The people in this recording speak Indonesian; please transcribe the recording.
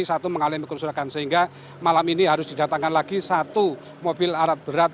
satu mengalami kerusakan sehingga malam ini harus didatangkan lagi satu mobil alat berat